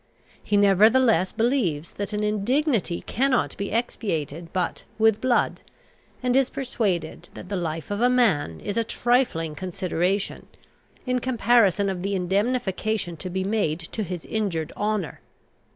He nevertheless believes that an indignity cannot be expiated but with blood, and is persuaded that the life of a man is a trifling consideration, in comparison of the indemnification to be made to his injured honour.